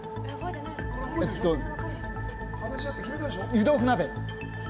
湯豆腐鍋。